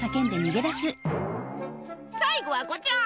最後はこちら。